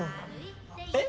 えっ？